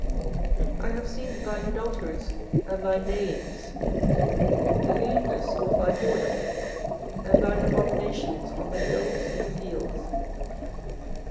24:013:027 I have seen thine adulteries, and thy neighings, the lewdness of thy whoredom, and thine abominations on the hills in the fields.